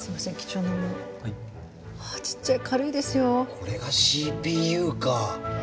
これがＣＰＵか。